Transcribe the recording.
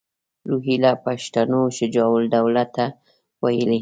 روهیله پښتنو شجاع الدوله ته ویلي.